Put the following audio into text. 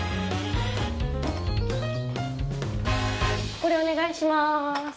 これお願いします。